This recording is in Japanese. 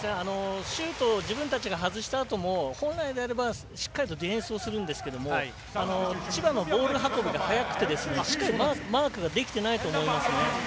シュートを自分たちが外したあとも本来であれば、しっかりとディフェンスするんですけど千葉のボール運びが速くてしっかりマークができてないと思います。